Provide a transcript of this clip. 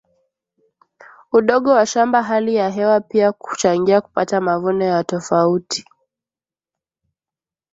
udogo wa shamba hali ya hewa pia huchangia kupata mavuno ya tofauti